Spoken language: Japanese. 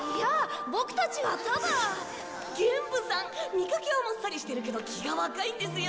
見かけはもっさりしてるけど気が若いんですよ。